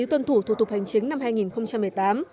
tuân thủ thủ tục hành chính năm hai nghìn một mươi tám